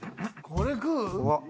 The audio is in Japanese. これ食う？